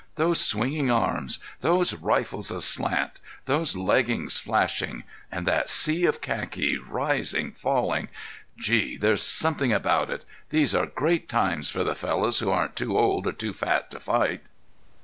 Those swinging arms, those rifles aslant, those leggings flashing, and that sea of khaki rising, falling—Gee! There's something about it. These are great times for the fellows who aren't too old or too fat to fight."